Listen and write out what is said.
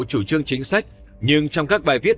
chủ trương chính sách nhưng trong các bài viết